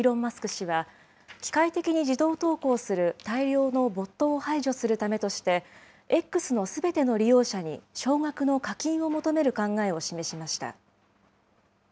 氏は、機械的に自動投稿する大量のボットを排除するためとして、Ｘのすべての利用者に少額の課金を求める考えを示しました。